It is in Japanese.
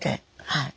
はい。